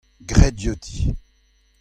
grit diouti.